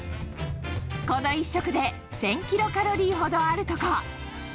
この１食で１０００キロカロリーほどあるとか。